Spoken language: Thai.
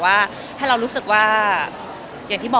ว่าเขาแบบ